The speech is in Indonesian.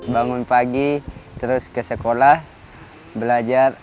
bangun pagi terus ke sekolah belajar